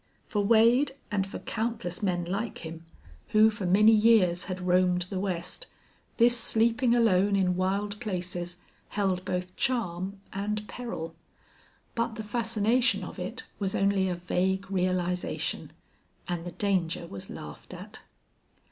For Wade, and for countless men like him, who for many years had roamed the West, this sleeping alone in wild places held both charm and peril. But the fascination of it was only a vague realization, and the danger was laughed at.